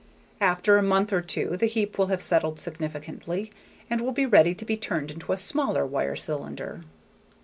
After a month or two the heap will have settled significantly and will be ready to be turned into a smaller wire cylinder.